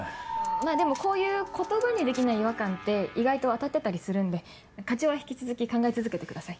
まぁでもこういう言葉にできない違和感って意外と当たってたりするんで課長は引き続き考え続けてください。